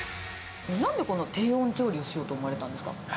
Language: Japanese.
なんでこの低温調理しようと思われたんですか？